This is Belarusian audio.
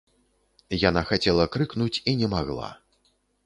Яна хацела крыкнуць і не магла.